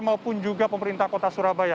maupun juga pemerintah kota surabaya